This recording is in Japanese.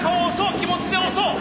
気持ちで押そう！